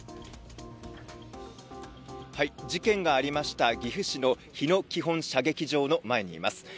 事件がありました岐阜市の日野基本射撃場の前にいます。